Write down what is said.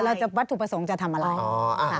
เราจะบัตรถูกประสงค์จะทำอะไร